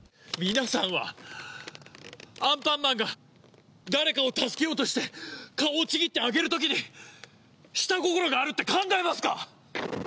皆さんはアンパンマンが誰かを助けようとして顔をちぎってあげる時に下心があるって考えますか